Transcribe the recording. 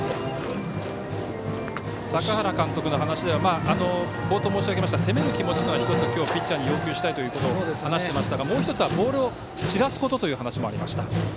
坂原監督の話では冒頭申し上げました攻める気持ちというのをピッチャーに要求したいと話していますが、もう１つはボールを散らすことと話していました。